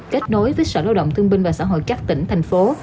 kết nối với sở lao động thương binh và xã hội các tỉnh thành phố